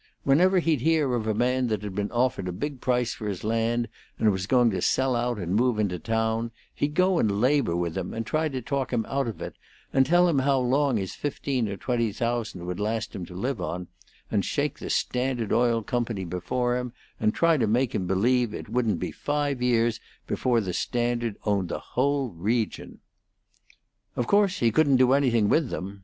Whenever he'd hear of a man that had been offered a big price for his land and was going to sell out and move into town, he'd go and labor with him and try to talk him out of it, and tell him how long his fifteen or twenty thousand would last him to live on, and shake the Standard Oil Company before him, and try to make him believe it wouldn't be five years before the Standard owned the whole region. "Of course, he couldn't do anything with them.